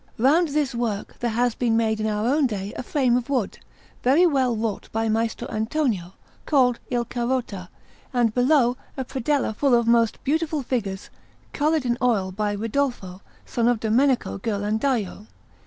Round this work there has been made in our own day a frame of wood, very well wrought by Maestro Antonio, called Il Carota; and below, a predella full of most beautiful figures coloured in oil by Ridolfo, son of Domenico Ghirlandajo.